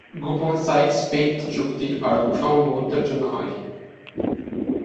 গোপন সাইকস-পিকট চুক্তি আরব সার্বভৌমত্বের জন্য হয়নি।